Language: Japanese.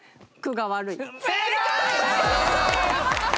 正解！